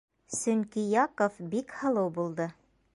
Сөнки Яков бик һылыу булды.